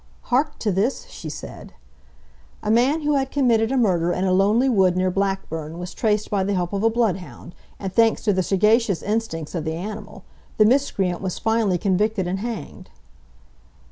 "Hark to this," she said: "A man who had committed a murder in a lonely wood near Blackburn was traced by the help of a bloodhound, and thanks to the sagacious instincts of the animal, the miscreant was finally convicted and hanged."